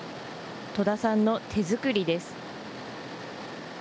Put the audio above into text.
戸田さんの手作りです。